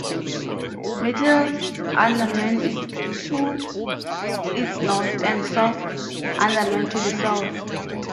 Middle Andaman is to its north, and South Andaman to the south.